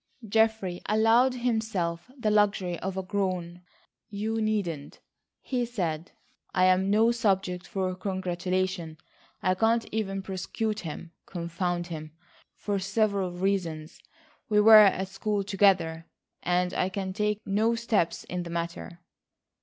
Geoffrey allowed himself the luxury of a groan. "You needn't," he said; "I am no subject for congratulation. I can't even prosecute him, confound him, for several reasons. We were at school together, and I can take no steps in the matter."